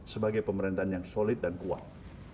sebagai pemerintahan yang solid dan kuat